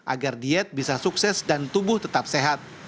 agar diet bisa sukses dan tubuh tetap sehat